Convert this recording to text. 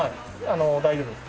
あの大丈夫です。